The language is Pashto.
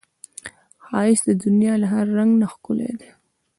ښایست د دنیا له هر رنګ نه ښکلی دی